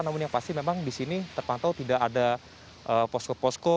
namun yang pasti memang di sini terpantau tidak ada posko posko